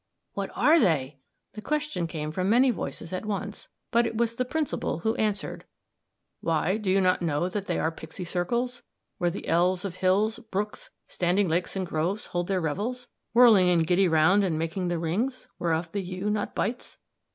"What are they?" The question came from many voices at once, but it was the Principal who answered. "Why, do you not know that they are pixie circles, where the 'elves of hills, brooks, standing lakes, and groves' hold their revels, whirling in giddy round, and making the rings, 'whereof the ewe not bites'?